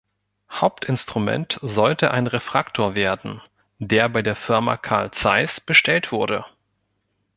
Hauptinstrument sollte ein Refraktor werden, der bei der Firma Carl Zeiss bestellt wurde.